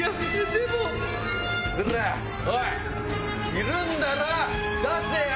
・いるんだろ⁉出せよ！